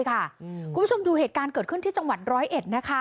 คุณผู้ชมดูเหตุการณ์เกิดขึ้นที่จังหวัดร้อยเอ็ดนะคะ